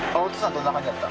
どんな感じだった？